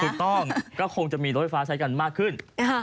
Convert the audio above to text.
ถูกต้องก็คงจะมีรถไฟฟ้าใช้กันมากขึ้น